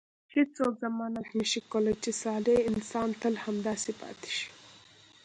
هیڅوک ضمانت نه شي کولای چې صالح انسان تل همداسې پاتې شي.